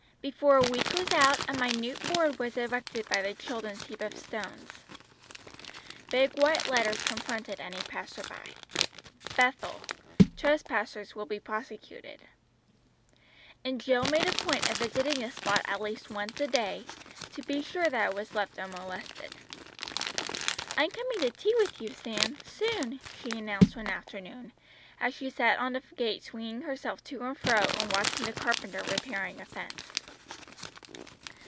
Before a week was out a minute board was erected by the children's heap of stones. Big white letters confronted any passerby "BETHEL. TRESPASSERS WILL BE PROSECUTED." And Jill made a point of visiting the spot at least once a day, to be sure that it was left unmolested. "I'm coming to tea with you, Sam, soon," she announced one afternoon, as she sat on a gate swinging herself to and fro and watching the carpenter repairing a fence.